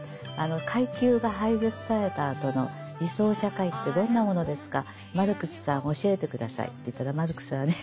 階級が廃絶されたあとの理想社会ってどんなものですかマルクスさん教えて下さいって言ったらマルクスはね